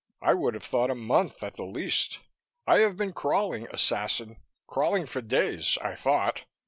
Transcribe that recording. "I would have thought a month, at the least. I have been crawling, assassin. Crawling for days, I thought."